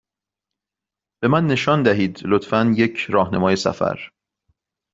به من نشان دهید، لطفا، یک راهنمای سفر.